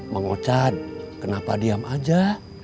mengocat kenapa diam aja